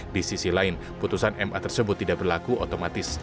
di sisi lain putusan ma tersebut tidak berlaku otomatis